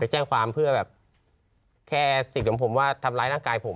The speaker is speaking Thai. แจ้งความเพื่อแบบแค่สิทธิ์ของผมว่าทำร้ายร่างกายผม